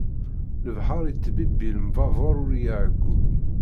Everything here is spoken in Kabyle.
Lebḥeṛ ittbibbi lembabeṛ ur iɛeggu.